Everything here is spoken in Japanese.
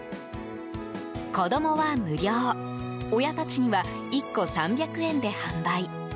子供は無料親たちには１個３００円で販売。